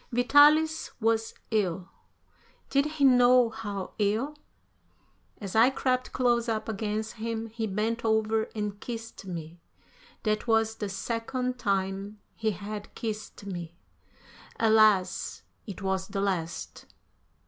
Vitalis was ill. Did he know how ill? As I crept close up against him, he bent over and kissed me. That was the second time he had kissed me. Alas! it was the last.